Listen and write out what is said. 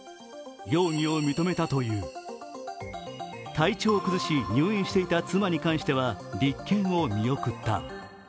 体調を崩し入院していた妻に関しては立件を見送った。